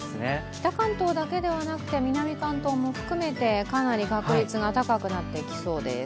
北関東だけではなくて南関東も含めて、かなり確率が高くなってきそうです。